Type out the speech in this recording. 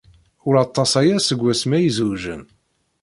Ur aṭas aya seg wasmi ay zewjen.